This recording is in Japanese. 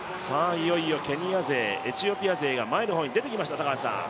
いよいよケニア勢、エチオピア勢が前の方に出てきました。